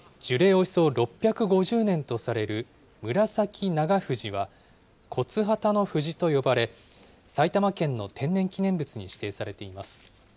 およそ６５０年とされるムラサキナガフジは、骨波田の藤と呼ばれ、埼玉県の天然記念物に指定されています。